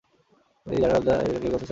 Journal of the American Chemical society.